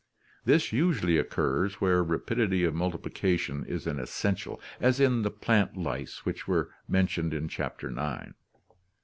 This usually occurs where rapidity of multiplication is an essential, as in the plant lice which were mentioned in Chapter EX.